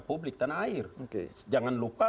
publik tanah air jangan lupa